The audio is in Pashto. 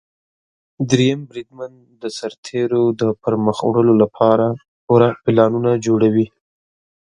دریم بریدمن د سرتیرو د پرمخ وړلو لپاره پوره پلانونه جوړوي.